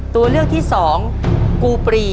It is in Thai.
ตัวเลือกที่สองกูปรี